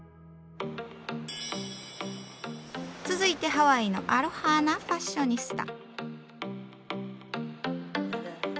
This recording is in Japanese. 続いてハワイのアロハなファッショニスタ。